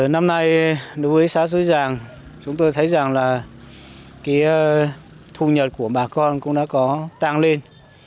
năm nay đối với xã xuế giàng chúng tôi thấy rằng là cái thu nhật của bà con cũng đã có tăng lên